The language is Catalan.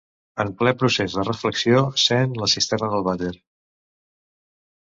En ple procés de reflexió sent la cisterna del vàter.